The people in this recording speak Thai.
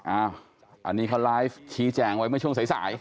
อันนี้เขาไลฟ์ชี้แจงไว้เมื่อช่วงสาย